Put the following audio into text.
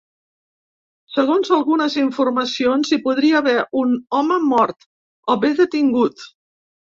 Segons algunes informacions hi podria haver un home mort, o bé detingut.